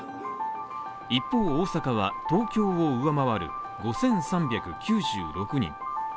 一方大阪は東京を上回る５３９６人。